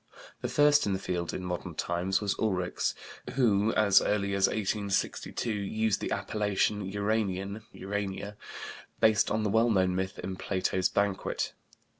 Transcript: The first in the field in modern times was Ulrichs who, as early as 1862, used the appellation "Uranian" (Uranier), based on the well known myth in Plato's Banquet.